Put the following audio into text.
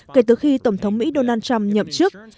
kể từ khi tổng thống mỹ donald trump nhậm chức